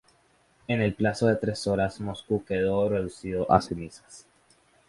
En el plazo de tres horas Moscú quedó reducido a cenizas.